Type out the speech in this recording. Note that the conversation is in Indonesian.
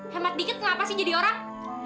hemat dikit kenapa sih jadi orang